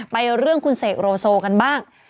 ไปเรื่องศรษฐ์คุณเสกโรโซกันบ้าง